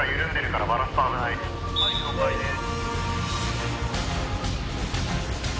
はい了解です。